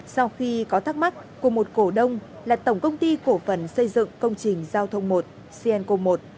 sau khi có thắc mắc của một cổ đông là tổng công ty cổ phần xây dựng công trình giao thông một cnco một